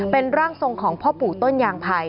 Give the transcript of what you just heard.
เป็นร่างทรงของพ่อปู่ต้นยางภัย